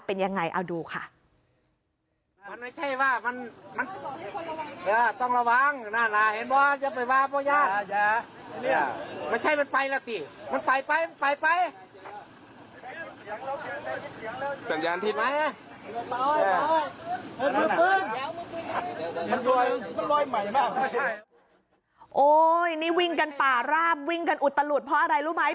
โอ้ยนี่วิ่งกันป่าราบวิ่งกันอุดตะหลุดเพราะอะไรรู้ไหม